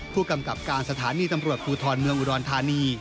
ผู้กำกับการสถานีตำรวจภูทรเมืองอุดรธานี